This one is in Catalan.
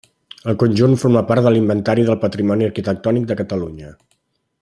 El conjunt forma part de l'Inventari del Patrimoni Arquitectònic de Catalunya.